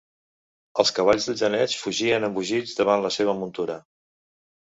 Els cavalls dels genets fugien embogits davant la seva muntura.